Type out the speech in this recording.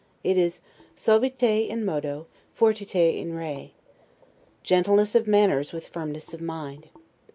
It is 'suaviter in modo, fortiter in re' [gentleness of manners, with firmness of mind D.